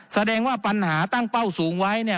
แสดงว่าปัญหาตั้งเป้าสูงไว้เนี่ย